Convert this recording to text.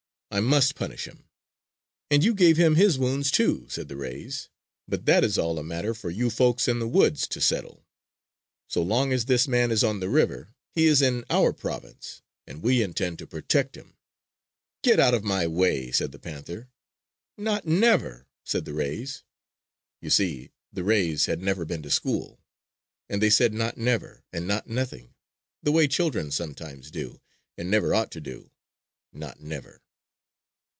"I must punish him!" "And you gave him his wounds, too," said the rays. "But that is all a matter for you folks in the woods to settle. So long as this man is on the river, he is in our province and we intend to protect him!" "Get out of my way!" said the panther. "Not never!" said the rays. You see, the rays had never been to school; and they said "not never" and "not nothing" the way children sometimes do and never ought to do, not never!